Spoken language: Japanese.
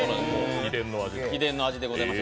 秘伝の味でございます。